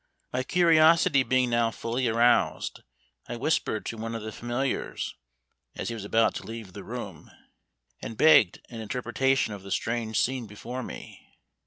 My curiosity being now fully aroused, I whispered to one of the familiars, as he was about to leave the room, and begged an interpretation of the strange scene before me.